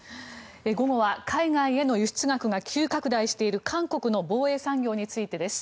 午後は海外への輸出額が急拡大している韓国の防衛産業についてです。